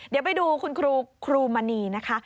เดี๋ยวไปดูคุณครูมณีนะคะ